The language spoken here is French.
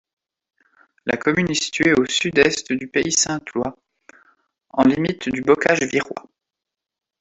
La commune est située au sud-est du Pays saint-lois, en limite du Bocage virois.